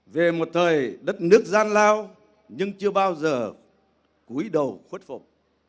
về một thời đất nước gian lao nhưng chưa bao giờ cuối đầu khuất phục